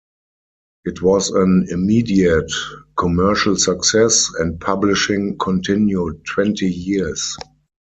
It was an immediate commercial success, and publishing continued twenty years.